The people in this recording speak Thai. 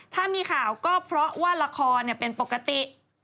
ถ้ามีข่าวก็เพราะว่าละครเป็นปกติ